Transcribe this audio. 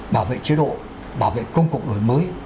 bảo vệ chế độ bảo vệ công cụ đổi mới